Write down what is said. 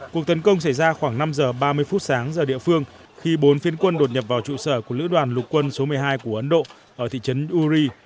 cuộc tấn công xảy ra khoảng năm giờ ba mươi phút sáng giờ địa phương khi bốn phiên quân đột nhập vào trụ sở của lữ đoàn lục quân số một mươi hai của ấn độ ở thị trấn uri